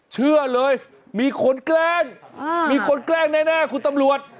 เชื่อเลยมีคนแกล้งมีคนแกล้งแน่คุณตำรวจ